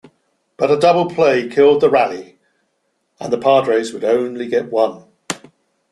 But a double play killed the rally and the Padres would only get one.